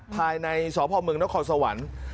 ภายในสพรทนครสวรรค์